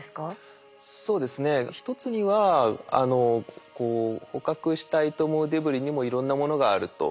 そうですね１つには捕獲したいと思うデブリにもいろんなものがあると。